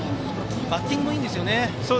バッティングもいいんですよね。